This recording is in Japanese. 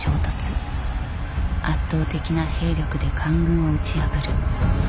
圧倒的な兵力で官軍を打ち破る。